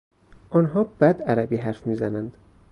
آنها بد عربی حرف میزنند.